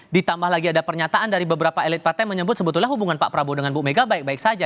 ditambah lagi ada pernyataan dari beberapa elit partai menyebut sebetulnya hubungan pak prabowo dengan bu mega baik baik saja